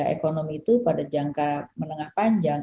ekonomi itu pada jangka menengah panjang